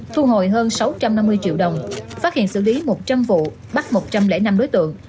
thu hồi hơn sáu trăm năm mươi triệu đồng phát hiện xử lý một trăm linh vụ bắt một trăm linh năm đối tượng